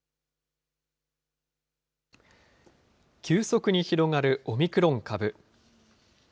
急速に広がるオミクロン株。